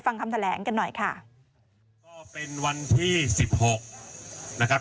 ฟังคำแถลงกันหน่อยค่ะก็เป็นวันที่สิบหกนะครับ